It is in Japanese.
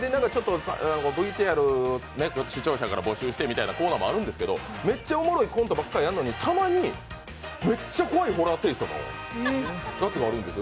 ＶＴＲを視聴者から募集してみたいなコーナーもあるんですけどめっちゃおもろいコントばっかりやるのに、たまにめっちゃ怖いホラーテイストのやつがあるんですよ。